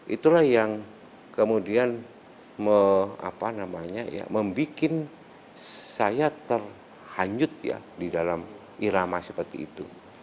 itulah yang kemudian membuat saya terhanyut ya di dalam irama seperti itu